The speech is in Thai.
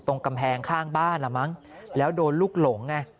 ตรงกำแพงข้างบ้านล่ะมั้งแล้วโดนลูกหลงไง